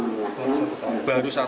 nah selama ini ngedar ini di mana